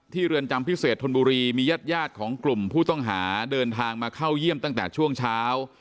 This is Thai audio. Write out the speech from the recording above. เรือนจำพิเศษธนบุรีมีญาติของกลุ่มผู้ต้องหาเดินทางมาเข้าเยี่ยมตั้งแต่ช่วงเช้า